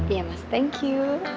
iya mas thank you